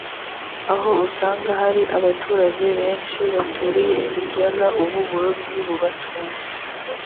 aho usanga hari abaturage benshi baturiye iki kiyaga ubu burobyi bubatunze